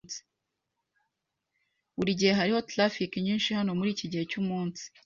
Burigihe hariho traffic nyinshi hano muriki gihe cyumunsi.